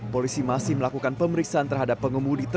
polisi masih melakukan pemeriksaan terhadap pengemudi